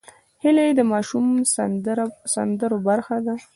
هیلۍ د ماشوم سندرو برخه ده